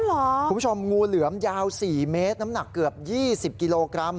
คุณผู้ชมงูเหลือมยาว๔เมตรน้ำหนักเกือบ๒๐กิโลกรัม